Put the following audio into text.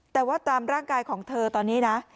แต่ว่าตามร่างกายของเธอตอนนี้นะ